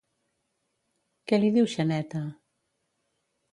Què li diu Xaneta?